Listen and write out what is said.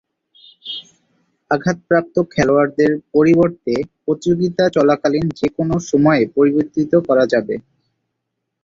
আঘাতপ্রাপ্ত খেলোয়াড়ের পরিবর্তে প্রতিযোগিতা চলাকালীন যে-কোন সময়ে পরিবর্তিত করা যাবে।